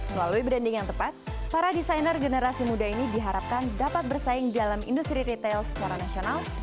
melalui branding yang tepat para desainer generasi muda ini diharapkan dapat bersaing dalam industri retail secara nasional